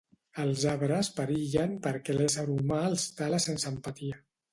Els arbres perillen perquè l'ésser humà els tala sense empatia.